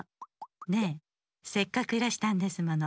ねえせっかくゆっくりいらしたんですもの。